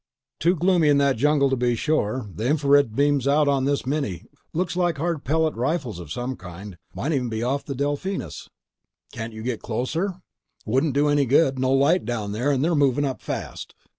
"Too gloomy in that jungle to be sure. The infra beam's out on this mini. Looks like hard pellet rifles of some kind. Might even be off the Delphinus." "Can't you get closer?" "Wouldn't do any good. No light down there, and they're moving up fast."